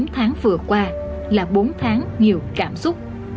chín tháng vừa qua là bốn tháng nhiều cảm xúc